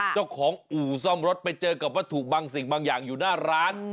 เจ้าของอู่ซ่อมรถไปเจอกับวัตถุบางสิ่งบางอย่างอยู่หน้าร้าน